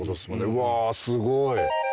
うわすごい。